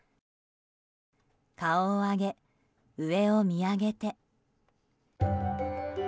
顔を上げ、上を見上げて。